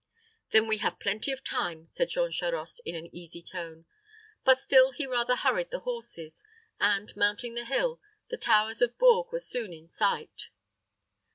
"Then we have plenty of time," said Jean Charost, in an easy tone; but still he rather hurried the horses, and, mounting the hill, the towers of Bourges were soon in sight.